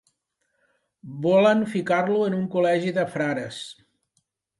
Volen ficar-lo en un col·legi de frares.